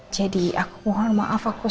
jadi aku mohon maaf aku sekarang